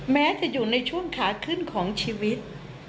แม้จะอยู่ในช่วงขาขึ้นของชีวิต